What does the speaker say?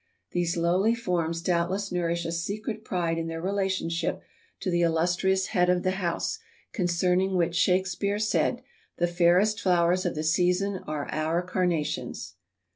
These lowly forms doubtless nourish a secret pride in their relationship to the illustrious head of the house, concerning which Shakespeare said, "The fairest flowers of the season are our Carnations."